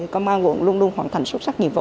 công an quận luôn luôn hoàn thành xuất sắc nhiệm vụ